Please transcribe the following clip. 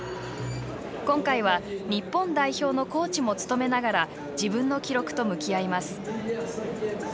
今回は日本代表のコーチも務めながら自分の記録と向き合います。